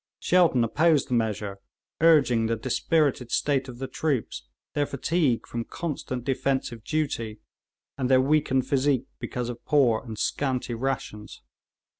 Shelton opposed the measure, urging the dispirited state of the troops, their fatigue from constant defensive duty, and their weakened physique because of poor and scanty rations.